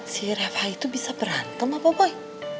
si rafah itu bisa berantem apa boy